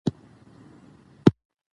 او مرغانو ته ایږدي د مرګ دامونه